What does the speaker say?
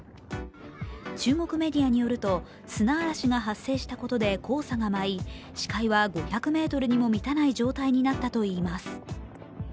中国メディアによると砂嵐が発生したことで黄砂が舞い視界は５００ｍにも満たない状態になったといいます。